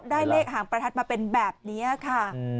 ได้เลขหางประทัดมาเป็นแบบนี้ค่ะ